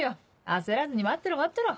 焦らずに待ってろ待ってろ。